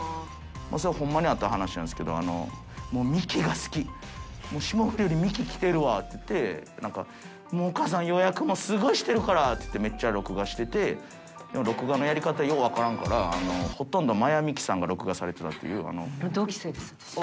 それはほんまにあった話なんですけど、もうミキが好き、もう霜降りよりミキきてるわって言って、なんかもうお母さん予約もすごいしてるからってめっちゃ録画してて、録画のやり方よう分からんから、ほとんど真矢みきさんが録画され同期生です、私。